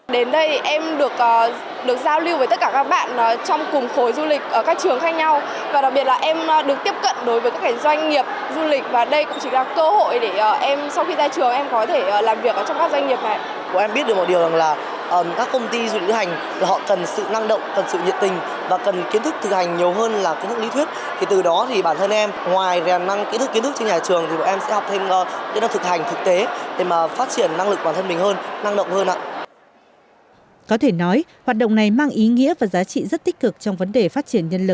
đến đây em được giao lưu với tất cả các bạn trong cùng khối du lịch các trường khác nhau